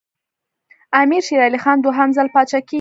امیر شېر علي خان دوهم ځل پاچا کېږي.